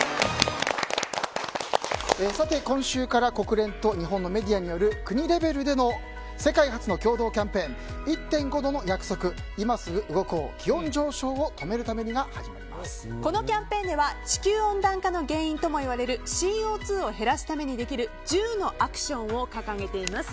今週から国連と日本のメディアによる国レベルでの世界初の共同キャンペーン「１．５℃の約束‐いますぐ動こう、気温上昇を止めるために。」がこのキャンペーンでは地球温暖化の原因ともいわれるＣＯ２を減らすためにできる１０のアクションを掲げています。